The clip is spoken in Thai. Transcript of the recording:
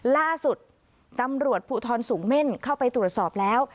ล่าสุดตำรวจภูทรสูงเม่นเข้าไปตรวจสอบแล้ว